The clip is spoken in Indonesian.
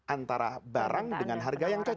antara barang dengan harga yang cocok